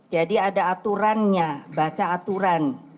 jadi ada aturannya baca aturan